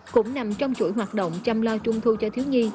cũng nằm trong chuỗi hoạt động chăm lo trung thu cho thiếu nhi